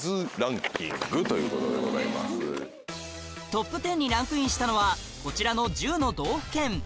トップ１０にランクインしたのはこちらの１０の道府県